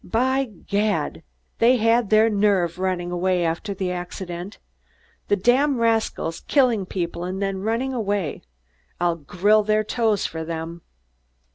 By gad! They had their nerve, running away after the accident. The damned rascals killing people and then running away. I'll grill their toes for them."